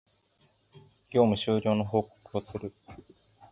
業務終了の報告をする